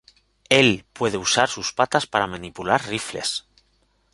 Él puede usar sus patas para manipular rifles.